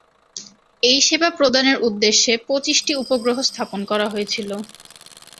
এই সেবা প্রদানের উদ্দেশ্যে পঁচিশটি উপগ্রহ স্থাপন করা হয়েছিল।